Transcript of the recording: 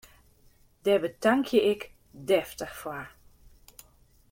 Dêr betankje ik deftich foar!